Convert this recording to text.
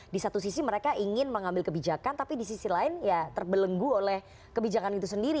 di satu sisi mereka ingin mengambil kebijakan tapi di sisi lain ya terbelenggu oleh kebijakan itu sendiri